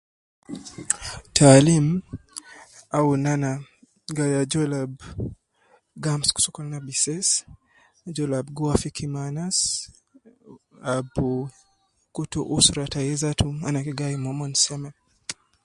Taalim awun ana gai ajol ab gi amsuku sokolna bises, ajol ab gi wafiki me anas ,abu kutu usra tai zatu ana gi gai mo seme